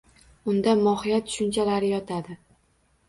Unda mohiyat tushunchalari yotadi